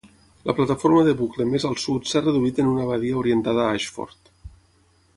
La plataforma de bucle més al sud s'ha reduït en una badia orientada a Ashford.